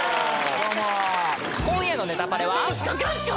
［今夜の『ネタパレ』は］